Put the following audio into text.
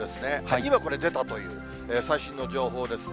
今これ出たという最新の情報ですね。